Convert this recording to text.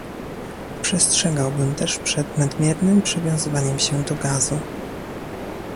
Przestrzegałbym też przed nadmiernym przywiązywaniem się do gazu